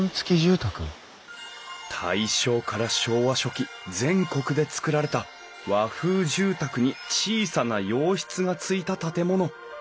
大正から昭和初期全国で造られた和風住宅に小さな洋室がついた建物。